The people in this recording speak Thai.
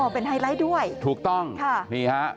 เป็นไฮไลท์ด้วยถูกต้องค่ะนี่ฮะ